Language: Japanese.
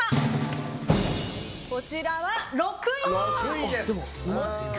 こちらは６位！